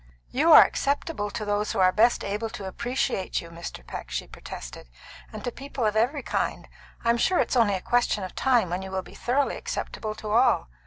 "You are acceptable to those who are best able to appreciate you, Mr. Peck," she protested, "and to people of every kind. I'm sure it's only a question of time when you will be thoroughly acceptable to all.